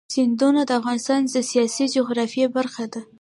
سیندونه د افغانستان د سیاسي جغرافیه برخه ده.